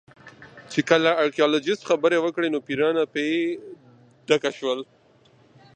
خو کله چې ارکيالوجېسټ څېړنې وکړې توپیرونه په ډاګه شول